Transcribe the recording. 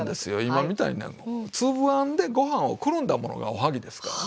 今みたいに粒あんでご飯をくるんだものがおはぎですからね。